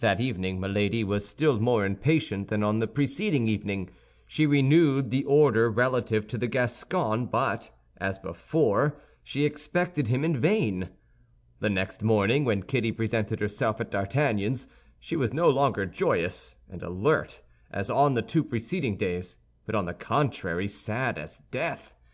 That evening Milady was still more impatient than on the preceding evening. She renewed the order relative to the Gascon; but as before she expected him in vain. The next morning, when Kitty presented herself at D'Artagnan's, she was no longer joyous and alert as on the two preceding days; but on the contrary sad as death.